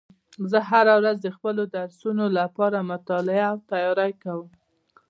زه هره ورځ د خپلو درسونو لپاره مطالعه او تیاری کوم